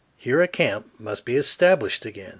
Here a camp must be established again.